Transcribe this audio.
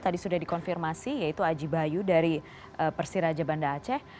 tadi sudah dikonfirmasi yaitu aji bayu dari persiraja banda aceh